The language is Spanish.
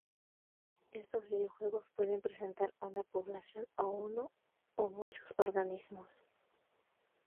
Estos videojuegos pueden presentar una población o uno o muchos organismos.